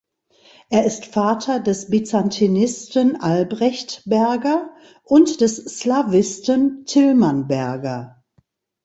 Er ist Vater des Byzantinisten Albrecht Berger und des Slawisten Tilman Berger.